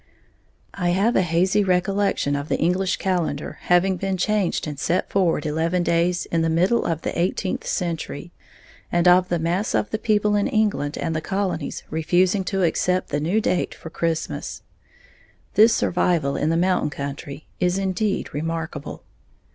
I have a hazy recollection of the English calendar having been changed and set forward eleven days in the middle of the eighteenth century, and of the mass of the people in England and the colonies refusing to accept the new date for Christmas. This survival in the mountain country is indeed remarkable.